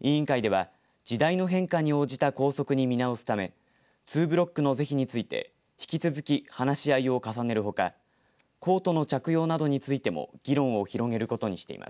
委員会では、時代の変化に応じた校則に見直すためツーブロックの是非について引き続き話し合いを重ねるほかコートの着用などについても議論を広げることにしています。